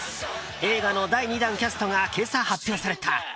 映画の第２弾キャストが今朝、発表された。